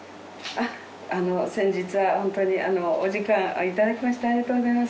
あっあの先日は本当にお時間頂きましてありがとうございます